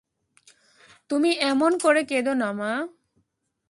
তুমি এমন করে কেঁদো না মা।